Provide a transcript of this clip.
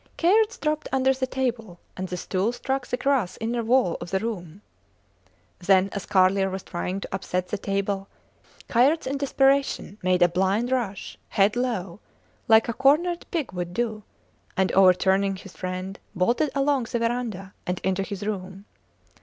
Kayerts dropped under the table, and the stool struck the grass inner wall of the room. Then, as Carlier was trying to upset the table, Kayerts in desperation made a blind rush, head low, like a cornered pig would do, and over turning his friend, bolted along the verandah, and into his room.